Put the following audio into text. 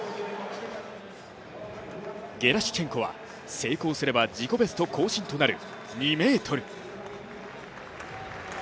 ゲラシュチェンコは、成功すれば自己ベスト更新となる２ｍ。